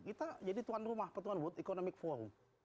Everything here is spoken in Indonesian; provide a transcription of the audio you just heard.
kita jadi tuan rumah petuan world economic forum